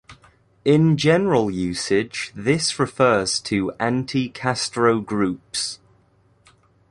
In general usage this refers to anti-Castro groups.